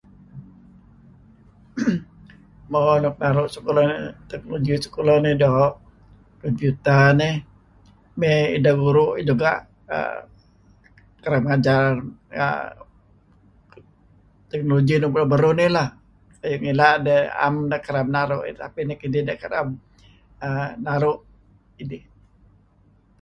Mo nuk naru' sekulah technology sekulah nih doo' computer nih mey ideh guru' juga kereb ngajar err technology nuk beruh-beruh nih lah. Ngilad eh am deh kereb naru' dih tapi nekinih deh kereb naru' idih.